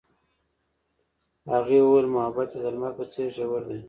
هغې وویل محبت یې د لمر په څېر ژور دی.